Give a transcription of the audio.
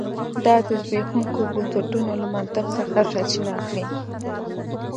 دا د زبېښونکو بنسټونو له منطق څخه سرچینه اخلي